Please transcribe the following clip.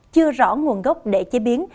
chưa rõ nguồn gốc để chế biến